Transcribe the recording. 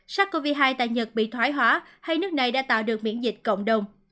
sars cov hai tại nhật bị thoái hóa hay nước này đã tạo được miễn dịch cộng đồng